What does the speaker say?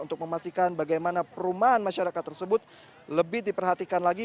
untuk memastikan bagaimana perumahan masyarakat tersebut lebih diperhatikan lagi